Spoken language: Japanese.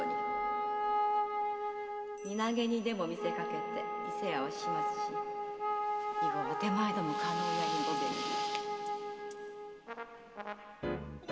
〔身投げにでも見せかけて伊勢屋を始末し以後は手前ども加納屋にご便宜を〕